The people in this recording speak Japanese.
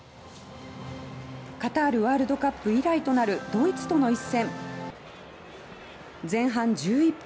カタールワールドカップ以来となるドイツとの一戦前半１１分。